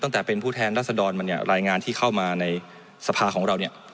ตั้งแต่เป็นผู้แทนรัศดรมาเนี่ยรายงานที่เข้ามาในสภาของเราเนี่ย